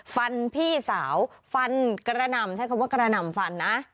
ฟันพี่สาวฟันกระหน่ำใช้คำว่ากระหน่ำฟันนะ